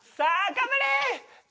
頑張れ！